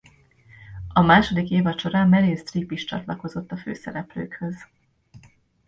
A második évad során Meryl Streep is csatlakozott a főszereplőkhöz.